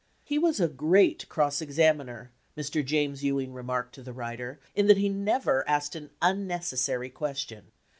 "He was a great cross examiner," Mr. James Ewing remarked to the writer, "in that he never asked an unnecessary question.